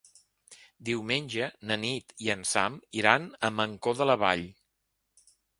Diumenge na Nit i en Sam iran a Mancor de la Vall.